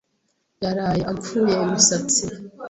Yaraye ampfuye imisatsi.